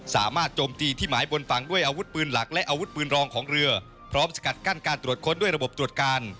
โจมตีที่หมายบนฝั่งด้วยอาวุธปืนหลักและอาวุธปืนรองของเรือพร้อมสกัดกั้นการตรวจค้นด้วยระบบตรวจการ